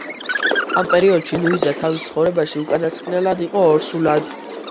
ამ პერიოდში, ლუიზა თავის ცხოვრებაში უკანასკნელად იყო ორსულად.